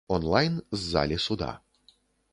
Онлайн з залі суда.